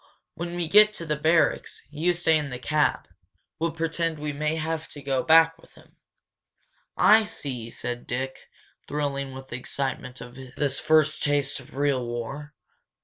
When we get to the barracks you stay in the cab we'll pretend we may have to go back with him." "I see," said Dick, thrilling with the excitement of this first taste of real war.